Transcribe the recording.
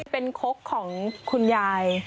เป็นคกของคุณยาย